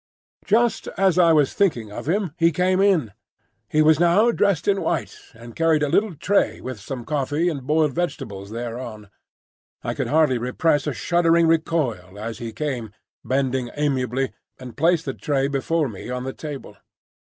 Just as I was thinking of him he came in. He was now dressed in white, and carried a little tray with some coffee and boiled vegetables thereon. I could hardly repress a shuddering recoil as he came, bending amiably, and placed the tray before me on the table.